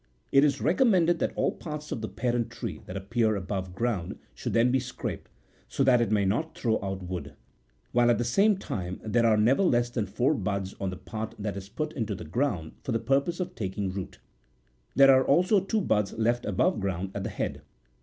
It is recommended that all parts of the parent tree that appear above ground should then be scraped, so that it may not throw out wood ; while at the same time there are never less than four buds on the part that is put into the ground for the purpose of taking root ; there are also two buds left above ground at the head.